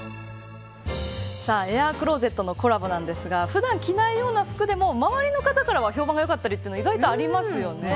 エアークローゼットのコラボなんですが普段着ないような服でも周りの方からは評判がよかったりってありますよね。